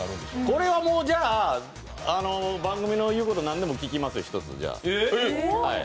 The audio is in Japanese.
これはもうじゃあ、番組の言うこと何でも聞きますよ、じゃあ。